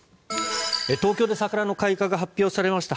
東京で桜の開花が発表されました